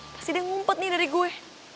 pasti dia ngumpet nih dari gue